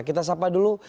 kita sapa dulu